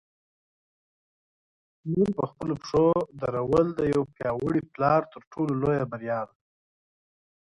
لور په خپلو پښو ودرول د یو پیاوړي پلار تر ټولو لویه بریا ده.